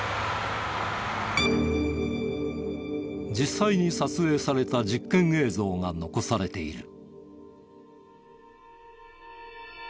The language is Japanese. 実際に撮影された実験映像が残されている。